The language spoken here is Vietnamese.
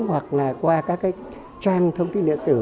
hoặc là qua các trang thông tin điện tử